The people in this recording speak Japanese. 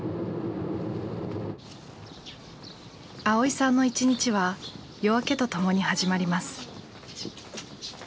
蒼依さんの一日は夜明けとともに始まります。